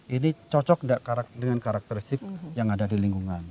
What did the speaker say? ini cocok nggak dengan karakteristik yang ada di lingkungan